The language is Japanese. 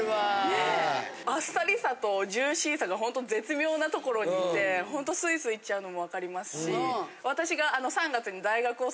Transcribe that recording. ねえ？あっさりさとジューシーさがほんとに絶妙なところにいてほんとスイスイいっちゃうのも分かりますし私が。